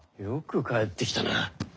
よく帰ってきたな。